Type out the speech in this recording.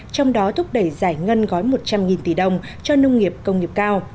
trong đó thúc đẩy giải ngân gói một trăm linh tỷ đồng cho nông nghiệp công nghiệp cao